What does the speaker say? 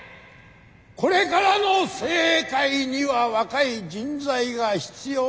これからの政界には若い人材が必要なんです！